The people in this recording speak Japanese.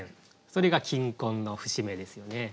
それが金婚の節目ですよね。